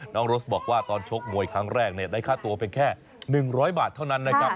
โรสบอกว่าตอนชกมวยครั้งแรกได้ค่าตัวเป็นแค่๑๐๐บาทเท่านั้นนะครับ